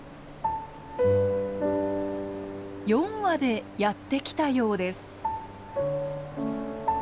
４羽でやって来たようです。